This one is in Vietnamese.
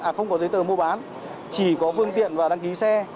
à không có giấy tờ mua bán chỉ có phương tiện và đăng ký xe